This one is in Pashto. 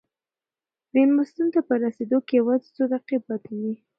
مېلمستون ته په رسېدو کې یوازې څو دقیقې پاتې دي.